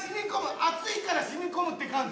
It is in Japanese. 熱いからしみこむって感じ。